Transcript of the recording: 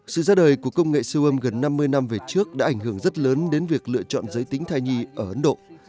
sự ra đời của công nghệ siêu âm gần năm mươi năm về trước đã ảnh hưởng rất lớn đến việc lựa chọn giới tính thai nhi ở ấn độ